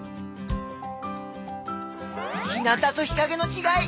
日なたと日かげのちがい